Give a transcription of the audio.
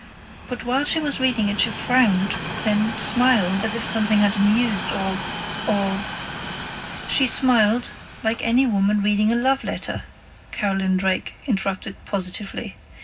But while she was reading it she frowned, then smiled, as if something had amused or or " "She smiled like any woman reading a love letter," Carolyn Drake interrupted positively.